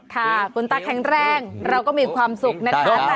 ค่ะคุณตาแข็งแรงเราก็มีความสุขนะคะ